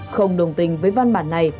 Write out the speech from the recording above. không đồng tình với văn bản này